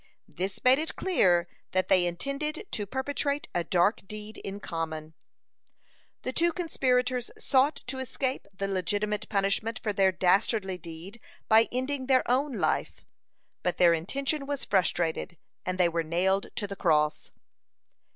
This made it clear that they intended to perpetrate a dark deed in common. (90) The two conspirators sought to escape the legitimate punishment for their dastardly deed by ending their own life. But their intention was frustrated, and they were nailed to the cross.